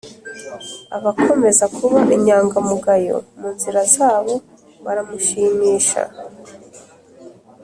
Abakomeza kuba inyangamugayo mu nzira zabo baramushimisha